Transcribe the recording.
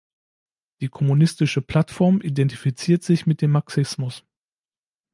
Die Kommunistische Plattform identifiziert sich mit dem Marxismus.